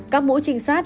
các mũ trinh sát